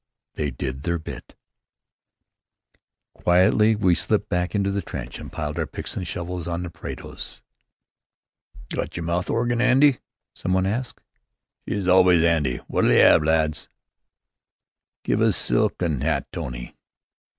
"They did their bit." Quietly we slipped back into the trench and piled our picks and shovels on the parados. "Got yer mouth organ 'andy, Nobby?" some one asked. "She's always 'andy. Wot'll you 'ave, lads?" "Give us 'Silk 'At Nat Tony.'